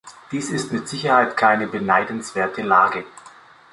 Dies ist mit Sicherheit keine beneidenswerte Lage.